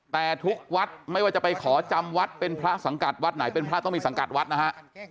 แต่ทุกวัดไม่ว่าจะไปขอจำวัดเป็นพระสังกัดวัดไหนเป็นพระต้องมีสังกัดวัดนะฮะ